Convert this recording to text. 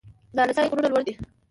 د اله سای غرونه لوړ دي